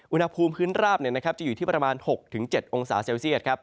อุณหภูมิพื้นราบจะอยู่ที่ประมาณ๖๗องศาเซลเซียต